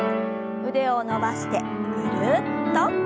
腕を伸ばしてぐるっと。